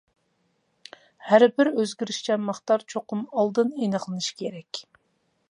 ھەر بىر ئۆزگىرىشچان مىقدار چوقۇم ئالدىن ئېنىقلىنىشى كېرەك.